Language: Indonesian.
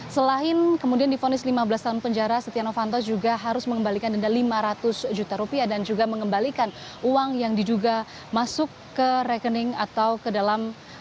selain kemudian difonis lima belas tahun penjara setia novanto juga harus mengembalikan denda lima ratus juta rupiah dan juga mengembalikan uang yang diduga masuk ke rekening atau ke dalam